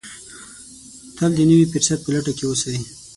تل د نوي فرصت په لټه کې اوسئ.